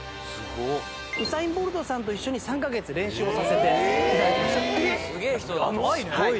「ウサイン・ボルトさんと一緒に３カ月練習をさせていただいてました」